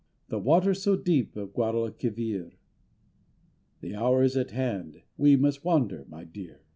The waters so deep Of the Guadalquivír; The hour is at hand, We must wander, my dear.